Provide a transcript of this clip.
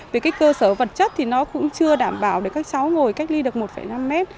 về cái cơ sở vật chất thì nó cũng chưa đảm bảo để các cháu ngồi cách ly được một năm mét